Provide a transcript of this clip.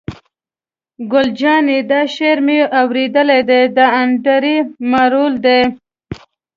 ګل جانې: دا شعر مې اورېدلی، د انډرې مارول دی.